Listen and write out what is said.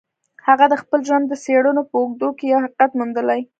هغه د خپل ژوند د څېړنو په اوږدو کې يو حقيقت موندلی.